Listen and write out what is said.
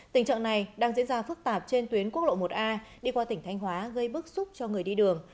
tình trạng này đang diễn ra phức tạp trên tuyến quốc lộ một a đi qua tỉnh thanh hóa gây bức xúc cho người đi đường